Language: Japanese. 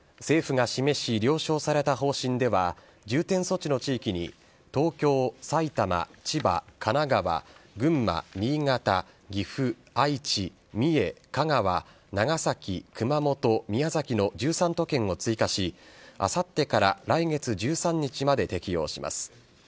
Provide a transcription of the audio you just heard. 政府が示し、了承された方針では、重点措置の地域に、東京、埼玉、千葉、神奈川、群馬、新潟、岐阜、愛知、三重、香川、長崎、熊本、宮崎の１３都県を追加し、あさってから来月１３日まで適用します。